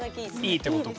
いいってことか。